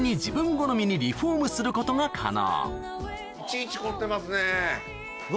いちいち凝ってますねうわ